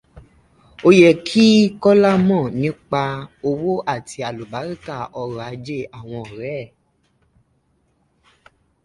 Ó yẹ kí Kọ́lá mọ̀ nípa owó àti àlùbáríkà ọrọ̀ ajé àwọn ọ̀rẹ́ ẹ̀.